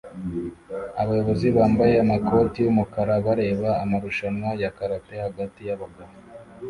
Abayobozi bambaye amakoti yumukara bareba amarushanwa ya karate hagati yabagabo